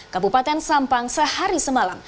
kabupaten sampang sehari semalam